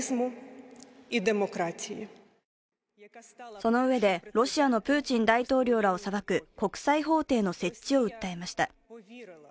そのうえで、ロシアのプーチン大統領らを裁く国際法廷の設置を訴えました。